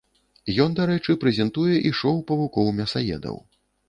Ён, дарэчы, прэзентуе і шоу павукоў-мясаедаў.